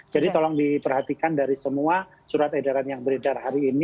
jadi tolong diperhatikan dari semua surat edaran yang berita hari ini